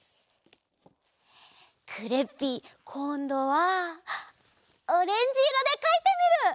クレッピーこんどはオレンジいろでかいてみる！